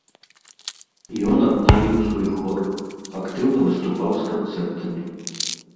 Ён аднавіў свой хор, актыўна выступаў з канцэртамі.